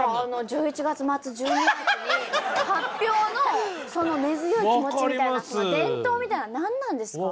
１１月末１２月に発表のその根強い気持ちみたいな伝統みたいなの何なんですか？